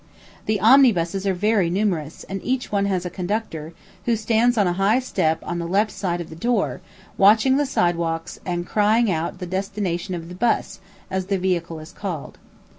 The omnibuses are very numerous, and each one has a conductor, who stands on a high step on the left side of the door, watching the sidewalks and crying out the destination of the "bus," as the vehicle is called.